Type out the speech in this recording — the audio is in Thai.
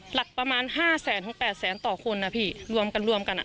หลักประมาณ๕แสนถึง๘แสนต่อคนนะพี่รวมกันรวมกันอ่ะ